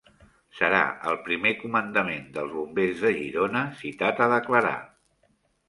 Serà el primer comandament dels Bombers de Girona citat a declarar